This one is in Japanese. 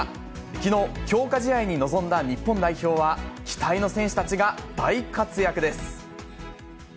きのう、強化試合に臨んだ日本代表は、期待の選手たちが大活躍です。